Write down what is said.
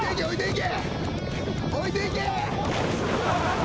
置いていけ！